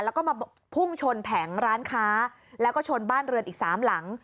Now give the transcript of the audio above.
แล้วก็มาพุ่งชนแผงร้านค้าแล้วก็ชนบ้านเรือนอีกสามหลัง